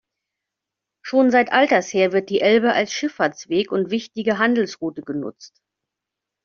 Schon seit alters her wird die Elbe als Schifffahrtsweg und wichtige Handelsroute genutzt.